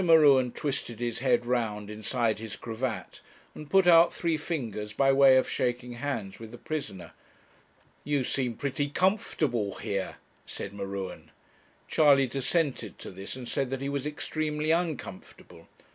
M'Ruen twisted his head round inside his cravat, and put out three fingers by way of shaking hands with the prisoner. 'You seem pretty comfortable here,' said M'Ruen. Charley dissented to this, and said that he was extremely uncomfortable.